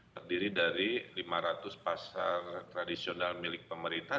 terdiri dari lima ratus pasar tradisional milik pemerintah